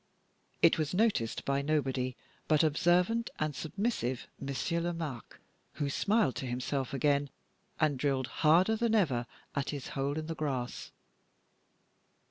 It was noticed by nobody but observant and submissive Monsieur Lomaque, who smiled to himself again, and drilled harder than ever at his hole in the grass.